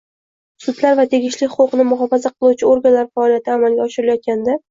sudlar va tegishli huquqni muhofaza qiluvchi organlar faoliyati amalga oshirilayotganda;